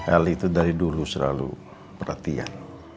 l itu dari dulu selalu perhatian